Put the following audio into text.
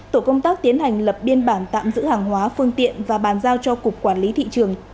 tổ công tác tiến hành lập biên bản tạm giữ hàng hóa phương tiện và bàn giao cho cục quản lý thị trường